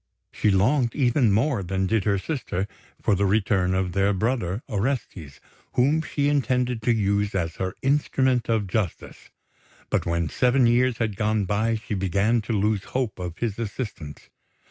She longed even more than did her sister for the return of their brother, Orestes, whom she intended to use as her instrument of justice; but when seven years had gone by she began to lose hope of his assistance.